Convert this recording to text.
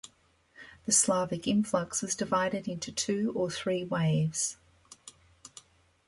The Slavic influx was divided into two or three waves.